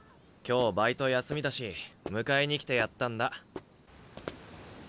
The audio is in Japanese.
今日バイト休みだし迎えに来てやったんだ。